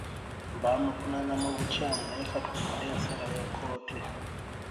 Baamuvunaana mu bukyamu naye ka tulinde ensala ya kkooti.